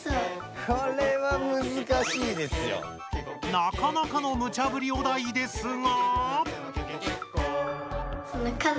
なかなかのムチャブリお題ですが。